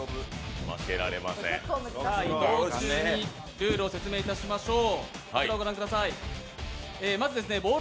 ルールを説明いたしましょう。